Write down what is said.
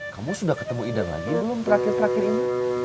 kamu sudah ketemu idang lagi belum terakhir terakhir ini